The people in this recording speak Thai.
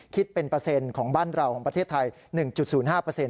คิดเป็นเปอร์เซ็นต์ของบ้านเราของประเทศไทย๑๐๕